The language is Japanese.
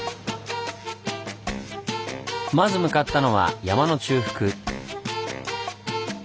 まず向かったのは山の中腹。